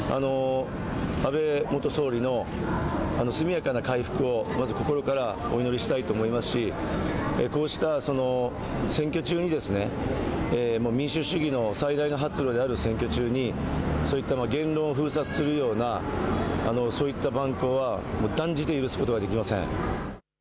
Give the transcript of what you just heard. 安倍元総理の速やかな回復をまず心からお祈りしたいと思いますしこうした選挙中に民主主義の最大の発露である選挙中にそういった言論を封殺するようなそういった蛮行は断じて許すことができません。